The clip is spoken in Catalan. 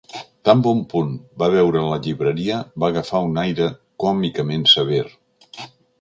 Tan bon punt va veure la llibreria, va agafar un aire còmicament sever.